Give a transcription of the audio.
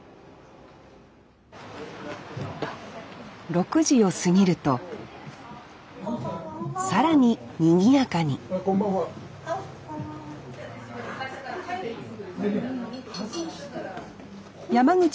６時を過ぎると更ににぎやかにこんばんは。